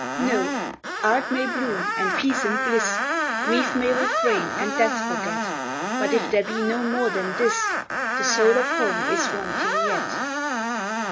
No. Art may bloom, and peace and bliss; Grief may refrain and Death forget; But if there be no more than this, The soul of home is wanting yet.